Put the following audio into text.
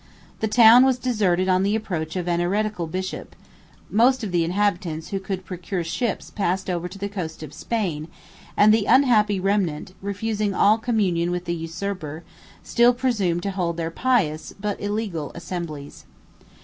The town was deserted on the approach of an heretical bishop: most of the inhabitants who could procure ships passed over to the coast of Spain; and the unhappy remnant, refusing all communion with the usurper, still presumed to hold their pious, but illegal, assemblies.